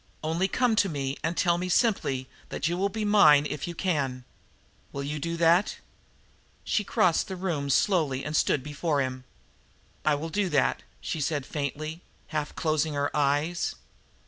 Only come to me and tell me simply that you will be mine if you can. Will you do that?" She crossed the room slowly and stood before him. "I will do that," she said faintly, half closing her eyes.